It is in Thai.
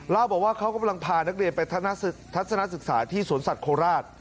บอกว่าเขากำลังพานักเรียนไปทัศนศึกษาที่สวนสัตว์โคราช